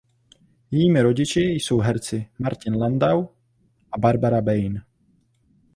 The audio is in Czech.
Jejími rodiči jsou herci Martin Landau a Barbara Bain.